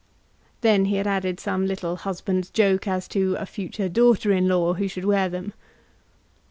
Then he had added some little husband's joke as to a future daughter in law who should wear them.